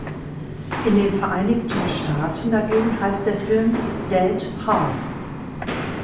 In den Vereinigten Staaten dagegen heißt der Film "Dead House".